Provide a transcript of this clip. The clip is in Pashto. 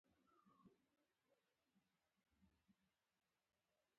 د انسان غوږ کولی شي شل څخه تر شل زره هیرټز غږونه واوري.